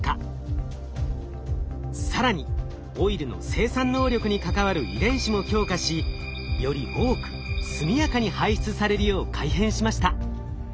更にオイルの生産能力に関わる遺伝子も強化しより多く速やかに排出されるよう改変しました。